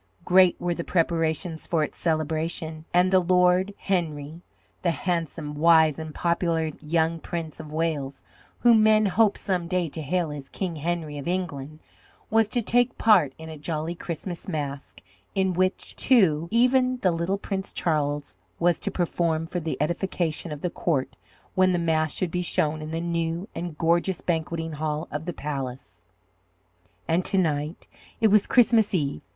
Great were the preparations for its celebration, and the Lord Henry, the handsome, wise and popular young Prince of Wales, whom men hoped some day to hail as King Henry of England, was to take part in a jolly Christmas mask, in which, too, even the little Prince Charles was to perform for the edification of the court when the mask should be shown in the new and gorgeous banqueting hall of the palace. And to night it was Christmas Eve.